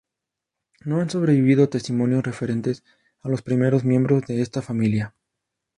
No han sobrevivido testimonios referentes a los primeros miembros de esta familia.